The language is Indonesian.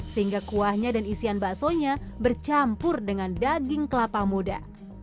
sehingga kuahnya dan isian baksonya bercampur dengan daging kelapa muda